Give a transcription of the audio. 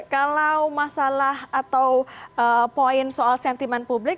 kalau masalah atau poin soal sentimen publik